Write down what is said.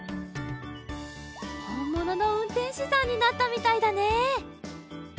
ほんもののうんてんしさんになったみたいだね